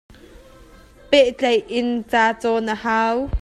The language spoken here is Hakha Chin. Pehtlai in cacawn a hau.